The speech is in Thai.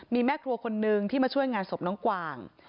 มีแม่ครัวคนนึงที่มาช่วยงานศพน้องกวาง